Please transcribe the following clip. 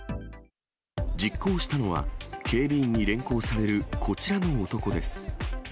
実行したのは、警備員に連行されるこちらの男です。